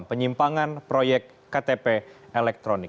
penyimpangan proyek ktp elektronik